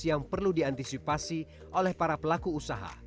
yang perlu diantisipasi oleh para pelaku usaha